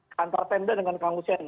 kantor tenda dengan kang hussein